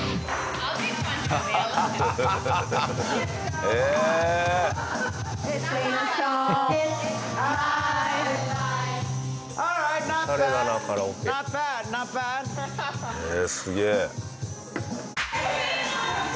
へえすげえ。